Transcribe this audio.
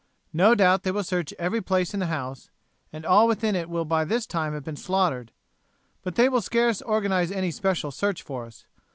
No doubt they will search every place in the house, and all within it will by this time have been slaughtered. But they will scarce organize any special search for us.